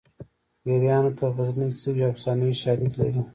پیریانو ته غزني څه وي افسانوي شالید لري